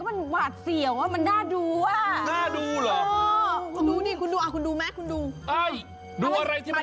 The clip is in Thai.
บีบเยอะเยอะบีบเยอะเยอะ